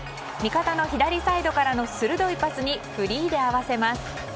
味方の左サイドからの鋭いパスにフリーで合わせます。